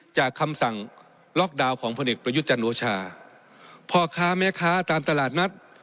คำสั่งล็อกดาวน์ของพลเอกประยุทธ์จันโอชาพ่อค้าแม่ค้าตามตลาดนัด